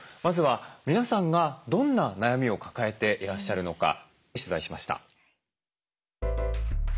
まずは皆さんがどんな悩みを抱えていらっしゃるのか取材しました。